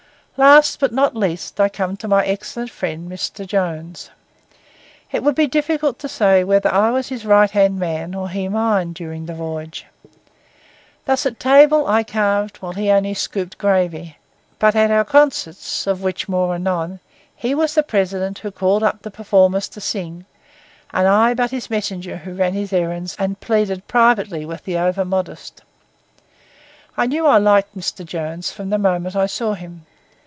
Last but not least, I come to my excellent friend Mr. Jones. It would be difficult to say whether I was his right hand man, or he mine, during the voyage. Thus at table I carved, while he only scooped gravy; but at our concerts, of which more anon, he was the president who called up performers to sing, and I but his messenger who ran his errands and pleaded privately with the over modest. I knew I liked Mr. Jones from the moment I saw him.